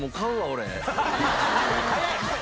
早い！